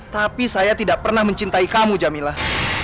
tapi saya tidak pernah mencintai kamu jamilah